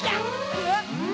えっ！